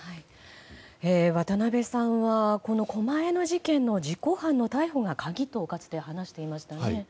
渡辺さんは狛江の事件の実行犯の逮捕が鍵とかつて話していましたね。